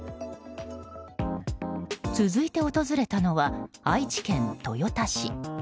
続いて訪れたのは愛知県豊田市。